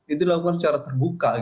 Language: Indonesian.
itu dilakukan secara terbuka